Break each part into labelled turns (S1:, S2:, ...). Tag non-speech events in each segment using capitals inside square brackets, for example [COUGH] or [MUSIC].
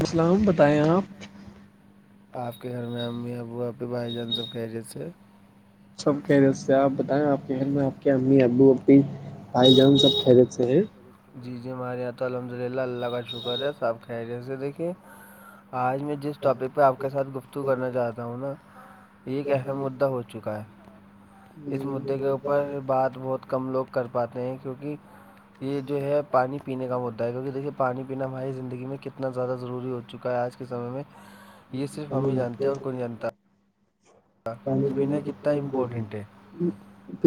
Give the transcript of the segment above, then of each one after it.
S1: اسلام بتائیں آپ
S2: آپ کے گھر میں امی ابو ابنے بھائی جان سب کہہجی تھے
S1: سب کہہ رہے اس سے آپ بتائیں آپ کے گھر میں آپ امی ابو ابی بائی جان سب کھیلے سے ہیں
S2: جی جی ہمارے یہاں الحمد للہ اللہ کا شکر ہے صاحب خریے سے دیکھیے آج میں ج ٹاپک پہ آپ کے ساتھ گفتگ کرنا چاہتا ہوں نا یہ ایک اہم مدا ہو چکا ہے اس مدعے کے اوپر بات بہت کم لوگ کر پاتے ہیں کیونکہ یہ جو ہے پانی پینے کا مدعا ہے کیونکہ دیکے پانی پین ہماری زندگی میں کتنا زیادہ ضروری ہو چکا ہے آج کے سمے میں یہ صرف ہمیں جانتے ہیں اور کوئی جانتے بنا کتنا امپورٹنٹ ہے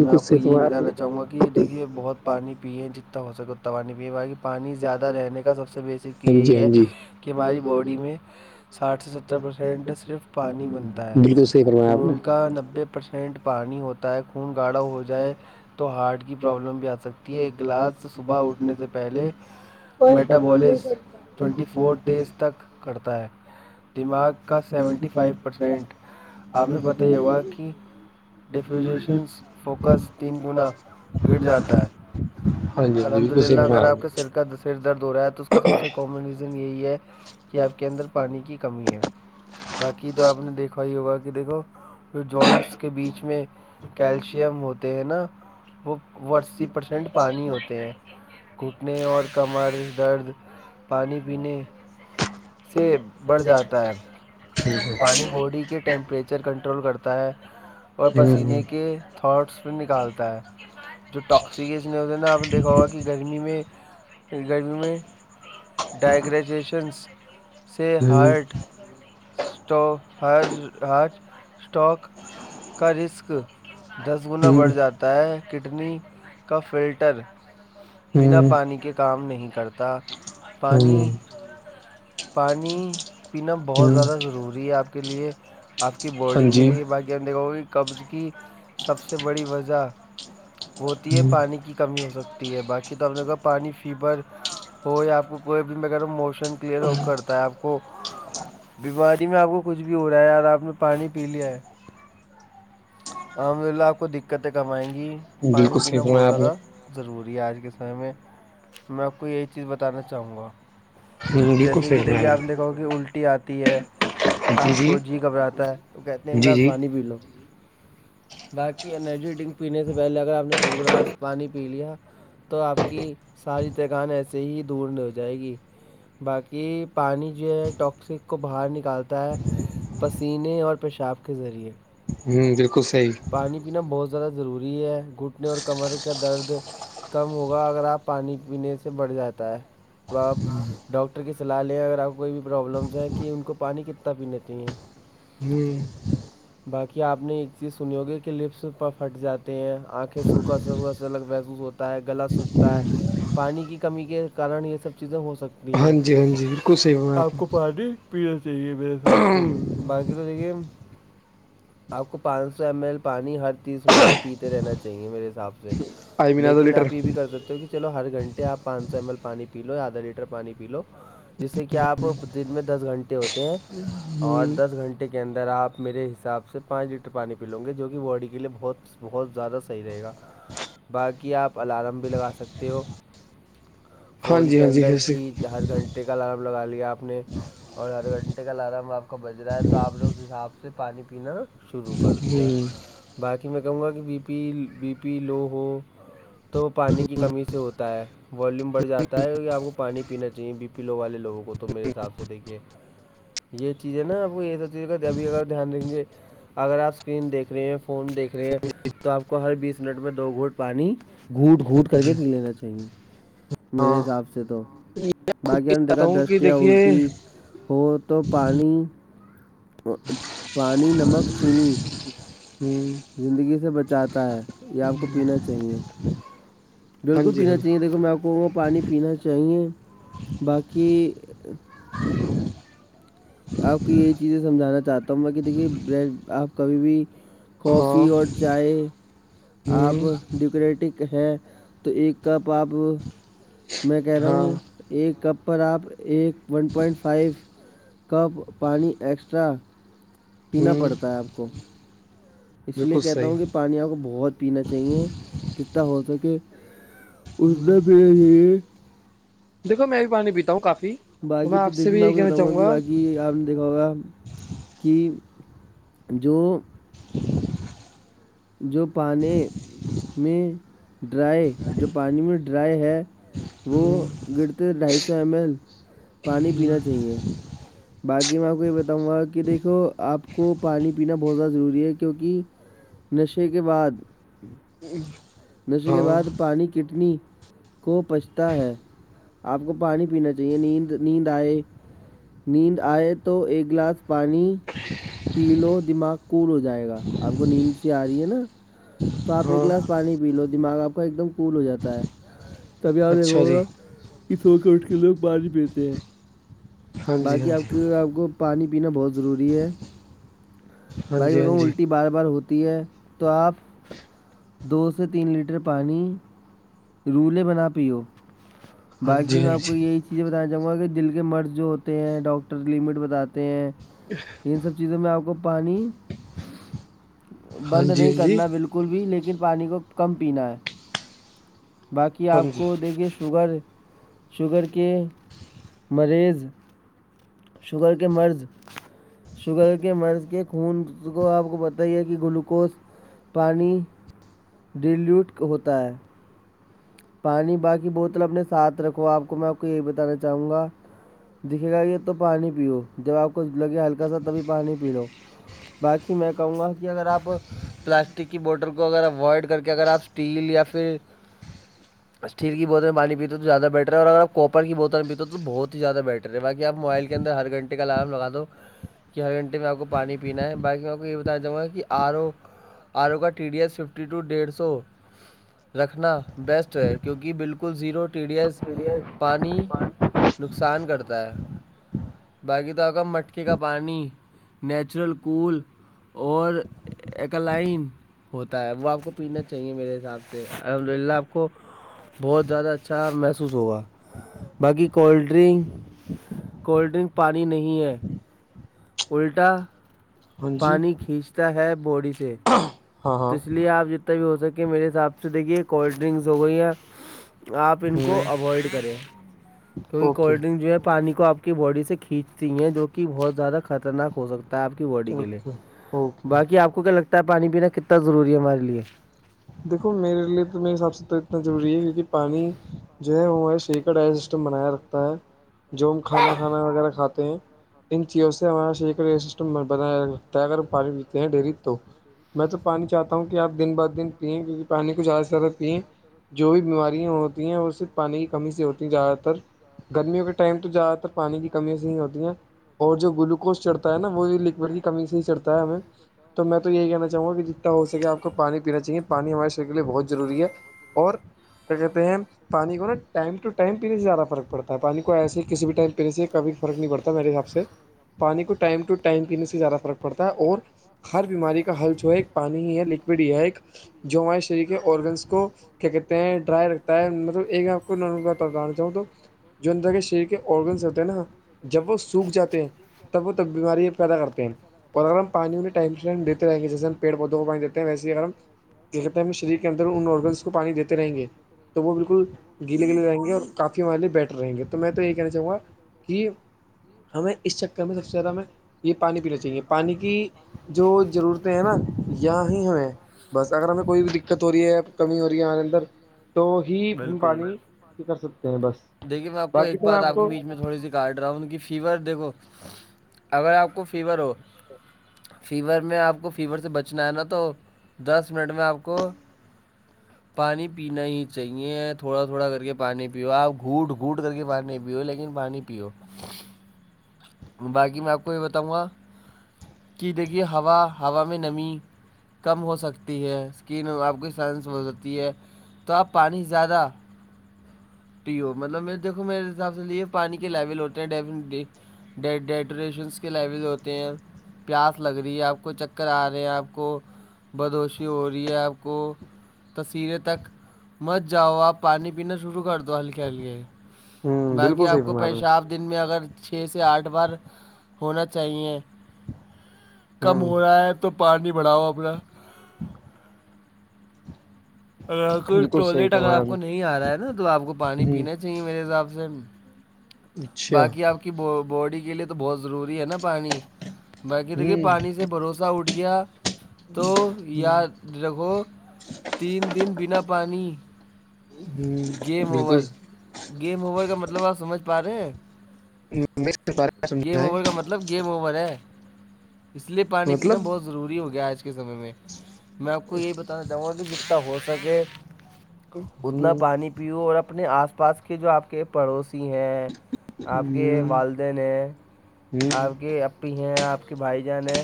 S2: میں آپ کو
S1: صحیح
S2: یہی
S1: فرمایا آپ
S2: بتانا
S1: نے
S2: چاہوں گا کہ دیکھیے بہت پانی پیئے جتنا ہو سکے اتنا پانی پیے بای پانی زیادہ رہنے کا سب سے بیسک
S1: ہاں جی
S2: یہی
S1: ہاں
S2: ہے
S1: جی
S2: کہ ہماری باڈی میں ساٹھ سے ستر پرسنٹ صرف پانی بنتا ہے
S1: بالکل صحیح فرمایا آپ نے
S2: خون کا نبے پرسینٹ پانی ہوتا ہے خون گاڑھا ہو جائے تو ہارٹ کی پرابلم بھی آ سکتی ہے ایک گلاس صبح اٹھنے سے پہلے میٹابولس ٹوینٹی فور تیز تک کرتا ہے دماغ کا سیونٹی فائیو پرسینٹ آپ نے پتا ت واقعی ڈیفریزیشنز فوکس تین گنا گر جاتا ہے
S1: ہاں جی ہاں
S2: الحمد للہ اگر آپ کے سر کا سر درد ہو رہا ہے تو اس کا سب سے کامن ریزن یہی ہے کہ آپ کے اندر پانی کی کمی ہے باقی تو آپ نے دیکھا ہی ہوگا کہ دیکھو جو جوائنٹس کے بیچ میں کیلشیم ہوتے ہیں نا وہ وہ اسی پرسینٹ پانی ہوتے ہیں گھٹنے اور کمر درد پانی پینے سے بڑھ جاتا ہے پانی باڈی کے ٹیمپریچر پکچر کنٹرول کرتا ہے اور پسینے کے تھٹس پ نکالتا ہے جو ٹکسییک اس نے نا آپ نے دیکھا ہوگا کہ گرمی میں گرمی میں ڈائیگریجیشنس سے ہارڈ ٹ آج اسٹاک کا رسک دس گنا بڑھ جاتا ہے کڈنی کا فلٹر بنا پانی کے کام نہیں کرتا پانی پانی پینا بہت زیادہ ضروری ہے آپ کے لیے آپ کی باڈی
S1: جی
S2: گانوں کی قبض کی سب سے بڑی وجہ ہوتی ہے پانی کی کمی ہو سکتی ہے باقی تو آ نےگ پانی فیور ہو یا آپ کو کوئی بھی میںیرہ موشن کلیئر کرتا ہے آپ کو بیماری میں آپ کو کچھ بھی ہو رہا ہے یار آپ نے پانی پی لیا ہے الحمد للہ آپ کو دقتیں کم آائیں گی پانی
S1: بالکل صحیح فرما رہے ہیں ہاں جی بالکل صحیح
S2: پینا بہت
S1: فرمایا آپ نے
S2: زیادہ ضروری ہے آج کے سمے میں میں آپ کو یہی چیز بتانا چاہوں گا
S1: ہ بالکل
S2: جیسے کہ
S1: صحیح
S2: دیکھیے
S1: فرمایا
S2: آپ نےیک کہاو کہ الٹی ٹی آتی ہے آپ کو جی گھبراتا ہے تو کہتے ہیں
S1: جی
S2: ایک
S1: جی
S2: گلاس
S1: جی
S2: پانی پی لو باقی انرجی ڈرنک پینے سے پہلے اگر آپ نے دو گلاس پانی پی لیا تو آپ کی ساری تھکان ایسے ہی دور نہیں ہو جائے گی باقی پانی جو ہے ٹاکسک کو باہر نکالتا ہے پسینے اور پیشاب کے ذریعے
S1: ہوں بالکل صحی
S2: پانی پینا بہت زیادہ ضروری ہے گھٹنے اور کمرے کا درد کم ہوگا اگر آپ پانی پینے سے بڑھ جاتا ہے تو آپ ڈاکٹر کی صلاح لیں اگر آپ کوئی بھی پرابلمس ہیں کہ ان کو پانی کتنا پی لیتی ہیں
S1: جی
S2: باقی آپ نے اسی سنییوگی کے لپس پر پھٹ جاتے ہیں آنکھیں سوکھا سوکھا سے الگ محسوس ہوتے ہے گلا سوکھتا ہے پانی کی کمی کے کارن یہ سب چیزیں ہو سکتی نہیں
S1: ہاں
S2: ہے
S1: جی ہاں جی بالکل صحیح فرمایا
S2: آپ
S1: نے
S2: کو پارٹی چاہیے میرے حساب سے باقی تو چے آپ کو پانچ سو ایم ایل پانی ہر تیس منٹ میں پیتے رہنا چاہیے میرے حساب سے
S1: آئی مین آدھا
S2: لیکن
S1: لیٹر
S2: آپ یہ بھی کر سکتے ہو کہ چلو ہر گھنٹے آپ پانچ سو ایم ایل پانی پی لو آدھا لیٹر پانی پی لو جس سے کہ آپ دن میں دس گھنٹے ہوتے ہیں اور دس گھنٹے کے اندر آپ میرے حساب سے پانچ ڈٹر پانی پی لوں گے جو کہ باڈی کے لیے بہت بہت زیادہ صحیح رہے گا باقی آپ الارم بھی لگا سکتے ہو
S1: ہاں
S2: فون
S1: جی
S2: کے
S1: ہاں جی
S2: اندر
S1: ویسے
S2: ہی ہر گھنٹے کا الارم لگا لیا آپ نے اور ہر گھنٹے کا الارم آپ کا بج رہا ہے تو آپ نے اس حساب سے پانی پینا شروع کر دیا باقی میں کہوں گا کہ بی پی بی پی لو ہو تو وہ پانی کی کمی سے ہوتا ہے ویوم بڑھ جاتا ہے کیہ آپ کو پانی پینا چاہیے بی پی لو والے لوگوں کو تو میرے حساب سے دیکھیے یہ چیزیں ہے نا آ وہ یہ سب چیز کا ابھی اگر دھیان ریں گے اگر آپ اسکرین دیکھ رہے ہیں فون دیکھ رہے ہیں تو آپ کو ہر بیس منٹ میں دو گھٹ پانی گھوٹ گھوٹ کر کے
S1: جی
S2: پی لینا چاہیے میرے
S1: ہاں
S2: حساب سے تو
S1: خود
S2: باقی
S1: یہ
S2: ہم نے
S1: چاہتا
S2: دیکھا
S1: ہوں کہ
S2: دستیاں
S1: دیکھیے
S2: الٹی ہو تو پانی پانی نمک چینی
S1: ہوں
S2: زندگی سے بچاتا ہے یہیا آپ کو پینا چاہیے
S1: ہی
S2: بالکل پینا چاہیے دیکھو میں آپ کو پانی پینا چاہیے باقی آپ کو یہی چیزیں سمجھانا چاہتا ہوں میں کہ دیکھیے آپ کبھی بھی کافی
S1: ہاں
S2: اور چائے آپ ڈیکورٹک ہیں تو ایک کپ آپ میں کہہ
S1: ہ
S2: رہا
S1: ہاں
S2: ہوں ایک کپ پر آپ ایک ون پوائنٹ فائیو کپ پانی ایکسٹرا پینا
S1: ہ
S2: پڑتا ہے آپ کو اس لیے
S1: بالکل
S2: کہتا
S1: صحیح
S2: ہوں کہ پانی آپ کو بہت پینا چاہیے جتنا ہو سکے اتنا پینا چاہیے
S1: دیکھو میں بھی پانی پیتا ہوں کافی
S2: باقی تو
S1: سے
S2: دیکھیے
S1: بھی
S2: میں آپ
S1: یہی
S2: کو
S1: کہنا
S2: بتاؤ گا
S1: چاہوں
S2: کہ باقی آپ دیکھا ہوگا کہ جو
S1: [INAUDIBLE]
S2: جو پانی میں ڈرائی جو پانی میں ڈرائی ہے وہ گنتی ڈھائی سو ایم ایل پانی پینا چاہیے باقی میں آپ کو یہ بتاؤں گا کہ دیکھو آپ کو پانی پینا بہت زیادہ ضروری ہے کیوںکہ نشے کے بعد
S1: [UNINTELLIGIBLE]
S2: نشے کے بعد
S1: ہاں
S2: پانی کتنی کو پچھتا ہے آپ کو پانی پینا چاہیے نیند نیند آئے نیند آئے تو ایک گلاس پانی پی لو دماغ کول ہو جائے گا آپ کو نیند سی آ رہی ہے نا تو آپ ایک
S1: ہاں
S2: گلاس پانی فیل ہو دماغ آپ کا ایک دم کول ہو جاتا ہے کبھی آپ
S1: اچھا جی
S2: دیکھوگا سو کے اٹھ کے لوگ پانی پیتے ہیں
S1: ہاں جی ہاں
S2: باقی آپ کے آپ کو پانی پینا بہت ضروری ہے بھائی
S1: جی ہاں
S2: میکو
S1: جی
S2: الٹے بار بار ہوتی ہے تو آپ دو سے تین لیٹر پانی رولیں بنا پی ہو
S1: ہاں
S2: باقی
S1: جی
S2: میں آپ کو یہی یہ بتانا چاہوں گا کہ دل کے مرض جو ہوتے ہیں ڈاکٹر لمٹ بتاتے ہیں ان سب چیزوں میں آپ کو پانی
S1: ہاں
S2: بند
S1: جی
S2: نہیں
S1: ہاں جی
S2: کرنا بالکل کل بھی لیکن پانی کو کم پینا ہے باقی
S1: ہاں جی ہاں جی
S2: آپ
S1: ہاں جی
S2: کو دیکھیے شوگر شوگر کے مریض شوگر کے مرض شوگر کے مرض کے خون کو آپ کو پت ہی ہے کہ گلوکوز پانی ڈیلیوٹ ہوتا ہے پانی باقی بوتل اپنے ساتھ رکھو آپ کو میں آپ کو یہی بتانا چاہوں گا دکھے گا یہ تو پانی پیو جب آپ کو لگے ہلکا سا تبھی پانی پی لو باقی میں کہوں گا کہ اگر آپ پلاسٹک کی بوٹل کو اگر اوائڈ کر کے اگر آپ اسٹیل یا پھر اسٹیل کی بوتل میں پانی پیتے تو زیادہ بیٹر اور اگر آپ کوپر کی بوتل میں پیتے ہو تو بہت ہی زیادہ بیٹر باقی آپ موبائل کے اندر ہر گھنے کا الارم لگا دو کہ ہر گھنٹے میں آپ کو پانی پینا ہے باقی میں آپ کو یہ بتان چاہوں گا کہ آرو آڑو کا T D S fifty to ڈیڑھ سو رکھنا بیسٹ ہے کیونکہ بالکل زیرو ٹی ڈی ایس پانی نقصان کرتا ہے باقی تو آ کا مٹکے کا پانی نیچرل کول اور ایک لائن ہوتا ہے وہ آپ کو پینا چاہیے میرے حساب سے الحمد للہ کو بہت زیادہ اچھا محسوس ہوگا باقی کولڈ ڈرنک کولڈ ڈرنک پانی نہیں ہے الٹا
S1: ہاں جی
S2: پانی کھینچتا ہے باڈی سے
S1: ہاں
S2: تو اس لیے آپ جتنا بھی ہو سکے میرے حساب سے دیکھیے کولڈ ڈرنکس ہو گئییا آپ ان کو
S1: ہاں
S2: اوائڈ کریں کیونکہ
S1: اوکے
S2: کولڈ ڈرنک جو ہے پانی کو آپ کی باڈی سے کھینچتی ہیں جو کہ بہت زیادہ خطرناک ہو سکتا ہے آپ کی باڈی کے لیے
S1: اوکے اوکے
S2: باقی آپ کو کیا لگتا ہے پانی پینا کتنا ضروری ہے ہمارے لیے
S1: دیکھو میرے لیے تو میرے حساب سے تو اتنا ضروری ہے کیونکہ پانی جو ہے وہ سیک سسٹم بنایا رکھتا ہے جو ہم کھانا کھانا وغیرہ کھاتے ہیں ان چیزوں سے ہمارا س سسٹم بنایاتا ہے اگر ہم پانی پیتے ہیں ڈیری تو میں تو پانی چاہتا ہوں کہ آپ دن بہدن پییں کیونکہ پانی کچھ آ زیادہ پییں جو بھی بیماریاں ہوتی ہیں وہ صرف پانی کی کمی سے ہوتی ہیں زیادہ تر گرمیوں کے ٹائم تو زیادہ تر پانی کی کمییاز ہی ہوتی ہیں اور جو گلوکوز چڑھتا ہے نا وہ بھی لکوور کی کمی سے ہی چڑھتا ہے ہمیں تو میں تو یہ کہنا چاہوں گا کہ جتنا ہوکے آپ کو پانی پینا چاہیے پانی ہمارے شہر کے لیے بہت ضروری ہے اور کیا کہتے ہیں پانی کو نا ٹائم ٹ ٹائم پینے سے زیادہ فرق پڑتا پانی کو ایسے ہی کسی بھی ٹائم پینے سے کبھی فرق نہیں پڑتا میرے حساب سے پانی کو ٹائم ٹو ٹائم پینے سے زیادہ فرق پڑتا ہے اور ہر بیماری کا حل جو ہے ایک پانی ہی ہے لکوڈ ہی ہے ایک جو ہمارے شریر کے آرگنس کو کیا کہتے ہیں ڈرائی رکھتا ہے مطلب ایک آپ کو چاہ تو جو انندر کے شریر کے آرگنس ہوتے ہیں نا جب وہ سوکھ جاتے ہیں تب وہ تب بیمارییا پیدا کرتے ہیں اور اگر ہم پانی ان ٹائ ٹائ دیتےیں گے جسے ہم پڑودوں کو پانی دیتے ہیں ویے اگر ہم دیکھتے ہیں ہمیں شریر کے اندر ان آرگنس کو پانی دیتے رہیں گے تو وہ بالکل گیلے گیلے رہیں گے اور کافی یعنی بیٹر رہیں گے تو میں تو یہ کہنا چاہوں گا کہ ہمیں اس چکر میں سب سے زیادہ ہمیں یہ پانی پینا چاہیے پانی کی جو ضرورتیں ہیں نا یہاں ہی ہمیں بس اگر ہمیں کوئی بھی دقت ہو رہی ہے کمی ہو رہی ہے ہمارے اندر تو ہی ہم پانی کر سکتے ہیں بس
S2: دیکے میں آپ کو
S1: باقی
S2: ایک
S1: تو میں
S2: بات آپ کے
S1: کو
S2: بیچ میں
S1: ہ
S2: تھوڑی سی کاٹ رہا ہوں ان کی فیور دیکھو اگر آپ کو فیور ہو فیور میں آپ کو فیور سے بچنا ہے نا تو دس منٹ میں آپ کو پانی پینا ہی چاہیے تھوڑا تھوڑا کر کے پانی پیو آپ گھوٹ گوٹ کر کے پانی نہیں پیو لیکن پانی پیو باقی میں آپ کو یہ بتاؤں گا کییدگی ہوا ہوا میں نمی کم ہو سکتی ہے اسکن آپ کی سنس ہو جی ہے تو آپ پانی زیادہ مطلب دیکھو میرے حساب سے پانی کے لیول ہوتے ہیں ڈیفلی ڈیٹوریشنس کے لیول ہوتے ہیں پیاس لگ رہی ہے آپ کو چکر آ رہے ہیں آپ کو بدوشی ہو رہی ہے آپ کو تصویریں تک مچ جاؤ آپ پانی پینا شروع کر دو ہلکے ہلکے باقی
S1: بالکل
S2: آپ
S1: صحیح
S2: کو
S1: فرمایا نے
S2: پیشاب دن میں اگر چھ سے آٹھ بار ہونا چاہیے کم
S1: ہ
S2: ہو رہا ہے تو پانیانی بڑھاؤ اپنا اگر کوئی
S1: بالکل صحیح
S2: ٹوائلیٹ اگر
S1: فرمایا
S2: آپ کو نہیں آ رہا ہے نا تو آپ کو پانی
S1: نے ہ
S2: پینا چاہیے میرے حساب سے
S1: اچھا
S2: باقی آپ کی باڈی کے لیے تو بہت ضروری ہے نا پانی باقی دیکھیے
S1: ہوں
S2: پانی سے بھروسہ اٹھ گیا تو یاد رکھو تین دن بنا پانی
S1: ہوں
S2: گیم اوور
S1: بالکل
S2: گیم اوور کا مطلب آپ سمجھ پا رہے ہیں
S1: نیکسٹ بارے میں
S2: گیم
S1: سمجھائیں
S2: اوور کا مطلب گیم اوور ہے اس لیے پانی پینا
S1: مطلب
S2: بہت ضروری ہو گیا آج کے سمے میں میں آپ کو یہی بتا جماں بھی جتا ہو سکے اتنا
S1: ہوں
S2: پانی پیو اور اپنے آس پاس کے جو آپ آ کے پڑوسی ہیں آپ کے
S1: ہوں
S2: والدین ہیں
S1: ہوں
S2: آپ کے اپ بھی ہیں آپ کے بھائی جان ہے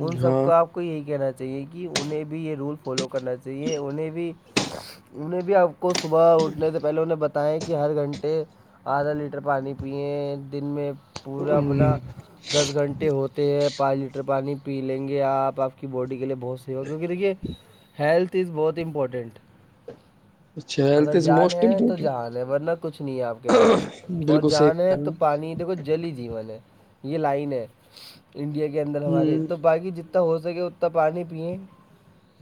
S2: ان سب
S1: ہاں
S2: کا آپ کو یہی کہنا چاہیے کہ انہیں بھی یہ رول فالو کرنا چاہیے انہیں بھی انہیں بھی آپ کو صبح اٹھنے سے پہلے انہیں بتیا کہ ہر گھنٹے آدھا لیٹر پانی پئیں دن میں پورا
S1: ہوں،
S2: اپنا دس گھنٹے ہوتے ہیں پانچ لیٹر پانی پی لیں گے آپ آپ کی باڈی کے لیے بہت سی ہوگا کیونکہ دیکھیے ہیلتھ از بہت امپورٹنٹ
S1: اچھا
S2: اگر
S1: ہیلتھ از
S2: جان
S1: موسٹ
S2: ہے تو
S1: امپورٹینٹ
S2: جان ہے ورنہ کچھ نہیں ہے آپ کے پاس اور
S1: بالکل
S2: جان ہے
S1: صحیح
S2: تو پانی دیکھو جلی تھی میں نے یہ لائن ہے انڈیا کے اندر ہمارے
S1: ہ
S2: تو باقی جتنے انا ہو سکے اتنا پانی پئیں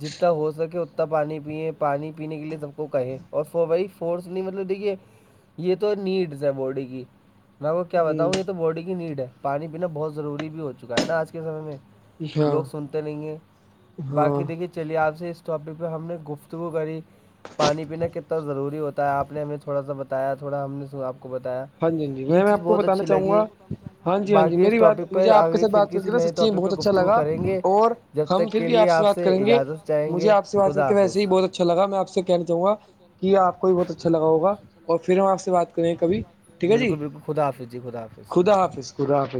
S2: جتنا ہو سکے اتنا پانی پیئیں پانی پینے کے لیے سب کو کہیں اور ف بائی فورسنی مطلب دیکھیے یہ تو نیڈس ہے باڈی کی میں کو کیا
S1: ہ
S2: بتاؤں یہ تو باڈی کی نیڈ ہے پانی پینا بہت ضروری بھی ہو چکا ہے نا آج کے سمے میں
S1: ہاں
S2: لوگ سنتے نہیں گے باقی
S1: ہاں
S2: دیکھیے چلیے پ سے اس پک پہ ہم نے گفتگو کری پانی پینا کتنا ضروری ہوتا ہے آپ نے ہمیں تھوڑا سا بتایا تھوڑا ہم نے آپ کو بتایا
S1: ہاں جی ہاں جی
S2: یہ
S1: میں میں
S2: چیز
S1: آپ کو
S2: بہت
S1: بتانا
S2: اچھی
S1: چاہوں
S2: لگی
S1: گا ہاں جی ہاں جی
S2: باقی اس
S1: میری بات
S2: ٹاپک پر
S1: مجھے آپ کے
S2: آگے
S1: س
S2: پھر
S1: بات کر
S2: کسی
S1: کے ن
S2: نئے
S1: سچی میں
S2: ٹاپک پہ
S1: بہت اچھا
S2: گفتگو
S1: لگا
S2: کریں گے
S1: اور
S2: جب
S1: ہم
S2: تک
S1: پھر
S2: کے
S1: بھی
S2: لیے
S1: آپ سے بات کریں گے
S2: اجازت چاہیں
S1: مجھے
S2: گے
S1: آپ سے بات کر
S2: خدا
S1: کے ویسے ہی
S2: حافظ
S1: بہت اچھا اچھا لگا میں آپ سے کہنا چاہوں گا کہ آپ کو بھی بہت اچھا لگا ہوگ اور پھر ہم آپ سے بات کریں کبھی ٹھیک ہے جی
S2: بالکل بالکل خدافظ جی خدافظ
S1: خدا حافظ خدا حافظ